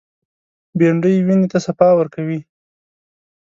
بېنډۍ وینې ته صفا ورکوي